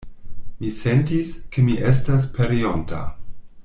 Mi sentis, ke mi estas pereonta.